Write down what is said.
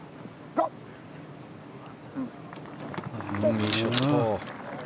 いいショット。